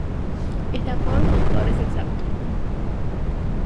Este funtor 'E" es exacto.